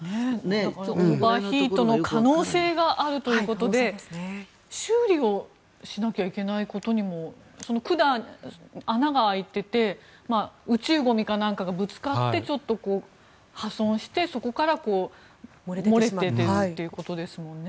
オーバーヒートの可能性があるということで修理をしなきゃいけないことにも管に穴が開いていて宇宙ゴミか何かがぶつかって、破損してそこから漏れているということですもんね。